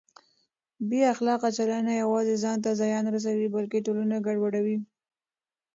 بې اخلاقه چلند نه یوازې ځان ته زیان رسوي بلکه ټولنه ګډوډوي.